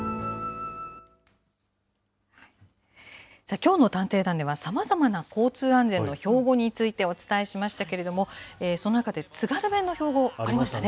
きょうの探偵団では、さまざまな交通安全の標語についてお伝えしましたけれども、その中で津軽弁の標語、ありましたね。